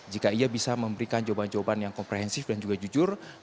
jika ia bisa memberikan jawaban jawaban yang komprehensif dan juga jujur